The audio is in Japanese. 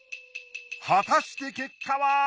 果たして結果は！？